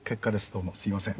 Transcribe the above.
どうもすみません。